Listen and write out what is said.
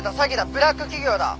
ブラック企業だ！